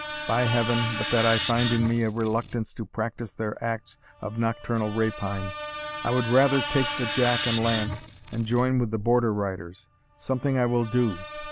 By Heaven, but that I find in me a reluctance to practise their acts of nocturnal rapine, I would rather take the jack and lance, and join with the Border riders. Something I will do.